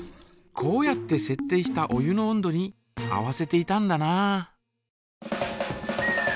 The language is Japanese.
こうやってせっ定したお湯の温度に合わせていたんだな。